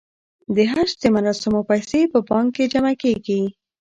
د حج د مراسمو پیسې په بانک کې جمع کیږي.